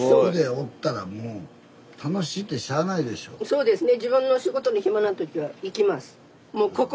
そうですね。